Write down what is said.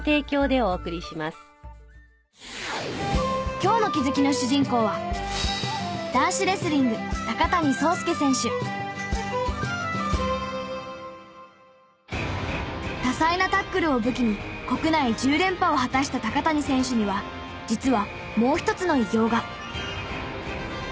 今日の気づきの主人公は多彩なタックルを武器に国内１０連覇を果たした高谷選手には実はもう一つの偉業が。